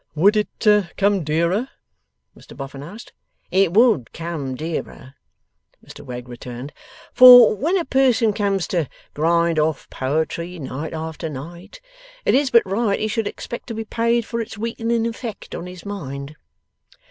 'Would it come dearer?' Mr Boffin asked. 'It would come dearer,' Mr Wegg returned. 'For when a person comes to grind off poetry night after night, it is but right he should expect to be paid for its weakening effect on his mind.